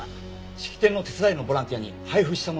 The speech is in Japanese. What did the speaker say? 式典の手伝いのボランティアに配布したものです。